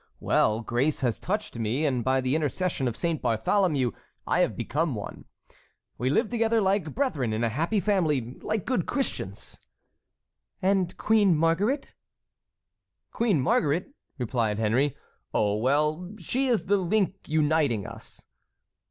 Well, grace has touched me, and by the intercession of Saint Bartholomew I have become one. We live together like brethren in a happy family—like good Christians." "And Queen Marguerite?" "Queen Marguerite?" repeated Henry; "oh, well, she is the link uniting us."